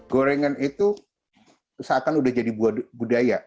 gorengan itu seakan akan sudah jadi budaya